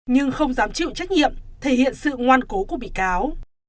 nhưng không dám chịu trách nhiệm thể hiện sự ngoan cố của bị cáo